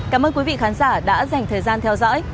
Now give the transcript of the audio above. cảm ơn quý vị khán giả đã dành thời gian theo dõi